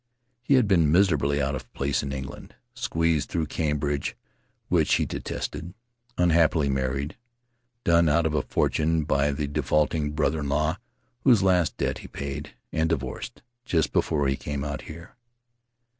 He had been miserably out of place in England — squeezed through Cambridge, which he detested, unhappily married, done out of a fortune by the defaulting brother in law whose last debt he paid, and divorced just before he came out here.